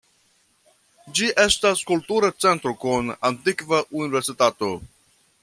Ĝi estas kultura centro kun antikva universitato.